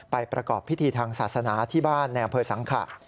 ไปประกอบพิธีทางศาสนาที่บ้านแนวเผยสังขะ